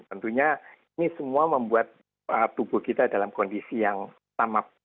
tentunya ini semua membuat tubuh kita dalam kondisi yang sama